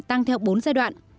tăng theo bốn giai đoạn